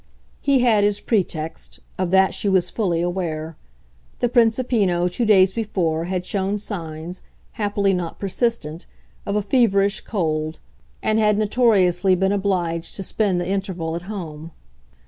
He had his pretext of that she was fully aware: the Principino, two days before, had shown signs, happily not persistent, of a feverish cold and had notoriously been obliged to spend the interval at home.